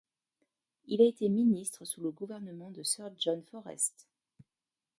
Il a été ministre sous le gouvernement de Sir John Forrest.